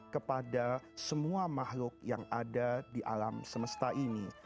kepada semua makhluk yang ada di alam semesta ini